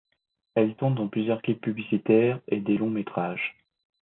Elle tourne dans plusieurs clips publicitaires et des longs métrages.